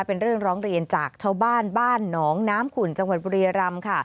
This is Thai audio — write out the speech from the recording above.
เป็นเรื่องร้องเรียนจากชาวบ้านบ้านหนองน้ำขุ่นจังหวัดบุรียรำค่ะ